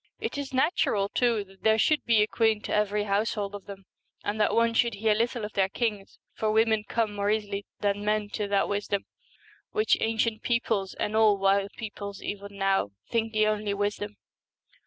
It is natural, too, that there should be a queen to every household of them, and that one should hear little of their kings, for women come more easily than men to that wisdom which ancient peoples, and all wild peoples even now, think the only wisdom.